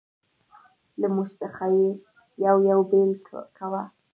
له موږ څخه یې یو یو بېل کاوه.